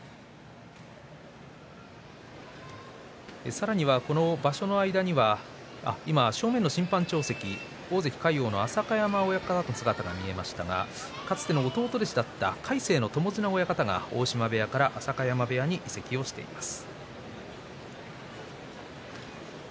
さらに場所の間には正面の審判長席大関魁皇の浅香山親方がかつての弟弟子だった魁聖の友綱親方が大島部屋から浅香山部屋に移籍をしています。